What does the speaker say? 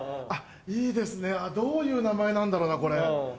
いいですねどういう名前なんだろなこれ。